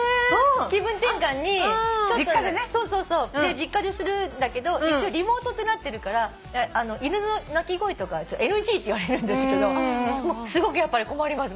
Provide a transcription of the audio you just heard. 実家でするんだけど一応リモートってなってるから犬の鳴き声とかＮＧって言われるんですけどすごくやっぱり困ります。